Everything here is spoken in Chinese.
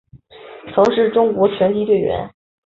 曾是中国拳击队员。